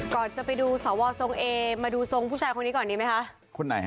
ก่อนจะไปดูสวทรงเอมาดูทรงผู้ชายคนนี้ก่อนดีไหมคะคนไหนฮ